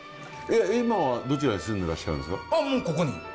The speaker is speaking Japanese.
今はどちらに住んでらっしゃるんですか？